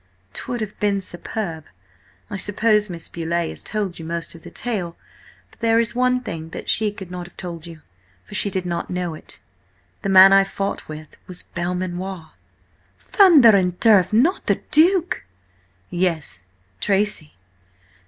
"'Twould have been superb. I suppose Miss Beauleigh has told you most of the tale, but there is one thing that she could not have told you, for she did not know it: the man I fought with was Belmanoir." "Thunder and turf! Not the Duke?" "Yes. Tracy."